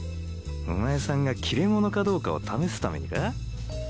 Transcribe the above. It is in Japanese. お前さんが切れ者かどうかを試すためにか？